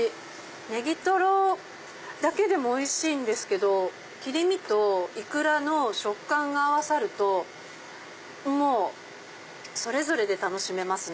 ネギトロだけでもおいしいんですけど切り身とイクラの食感が合わさるとそれぞれで楽しめますね。